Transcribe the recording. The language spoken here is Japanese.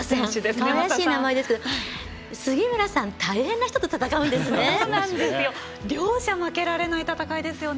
かわいらしい名前ですけど杉村さん大変な人と戦うんですね。